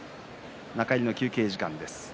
中入りの休憩時間です。